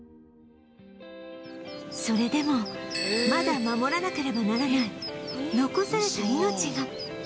それでもまだ守らなければならない残された命が